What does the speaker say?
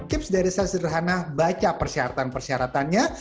tips dari saya sederhana baca persyaratan persyaratannya